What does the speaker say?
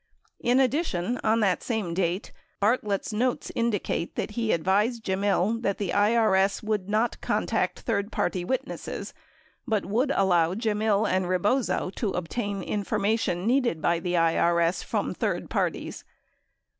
In addition, on that same date, Bartlett's notes indicate that he advised Gemmill that the IRS would not contact third party witnesses, but would allow Gemmill and Rebozo to obtain information needed by the IRS from third parties.